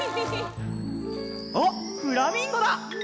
あっフラミンゴだ！